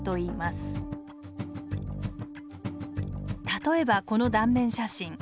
例えばこの断面写真。